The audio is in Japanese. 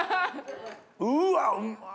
うわうまっ。